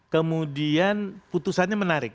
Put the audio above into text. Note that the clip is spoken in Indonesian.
kemudian putusannya menarik